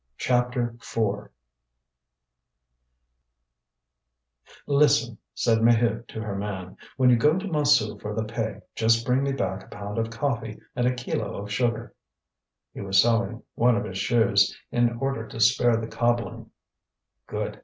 CHAPTER IV "Listen," said Maheude to her man, "when you go to Montsou for the pay, just bring me back a pound of coffee and a kilo of sugar." He was sewing one of his shoes, in order to spare the cobbling. "Good!"